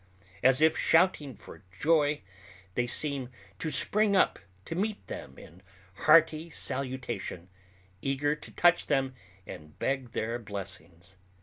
As if shouting for joy, they seem to spring up to meet them in hearty salutation, eager to touch them and beg their blessings.